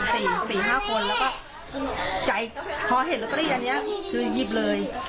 สี่สี่ห้าคนแล้วก็ใจพอเห็นลอตเตอรี่อันเนี้ยคือหยิบเลย